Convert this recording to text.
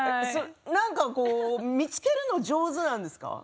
何か見つけるの上手なんですか？